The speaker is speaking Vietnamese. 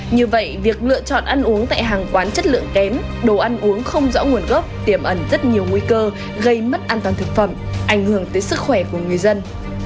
như vậy việc lựa chọn ăn uống tại hàng quán chất lượng kém đồ ăn uống không rõ nguồn gốc tiềm ẩn rất nhiều nguy cơ gây mất an toàn thực phẩm ảnh hưởng tới sức khỏe của người dân